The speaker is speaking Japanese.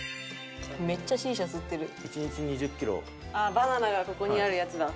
バナナがここにあるやつだ。